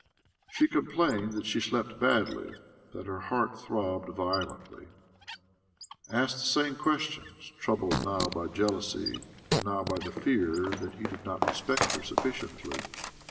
She complained that she slept badly, that her heart throbbed violently; asked the same questions, troubled now by jealousy and now by the fear that he did not respect her sufficiently.